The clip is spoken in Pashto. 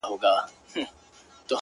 • یارانو رخصتېږمه, خُمار درڅخه ځمه,